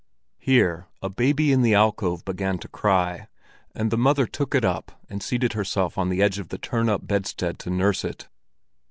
Here a baby in the alcove began to cry, and the mother took it up and seated herself on the edge of the turn up bedstead to nurse it.